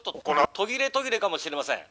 「途切れ途切れかもしれません」。